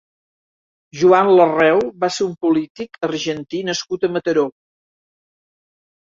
Joan Larreu va ser un polític argentí nascut a Mataró.